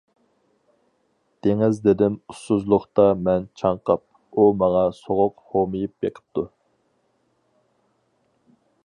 دېڭىز دېدىم ئۇسسۇزلۇقتا مەن چاڭقاپ، ئۇ ماڭا سوغۇق ھومىيىپ بېقىپتۇ.